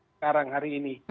sekarang hari ini